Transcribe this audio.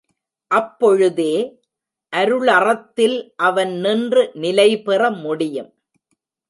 அப்பொழுதே அருளறத்தில் அவன் நின்று நிலைபெற முடியும்.